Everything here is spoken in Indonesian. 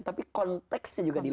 tapi konteksnya juga dilihat